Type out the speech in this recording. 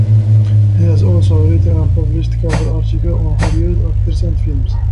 He has also written and published cover articles on Hollywood actors and films.